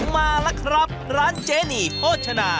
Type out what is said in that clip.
มาละครับร้านเจนีโฟชนะ